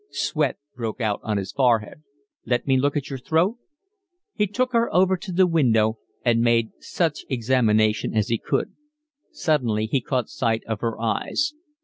Sweat broke out on his forehead. "Let me look at your throat?" He took her over to the window and made such examination as he could. Suddenly he caught sight of her eyes.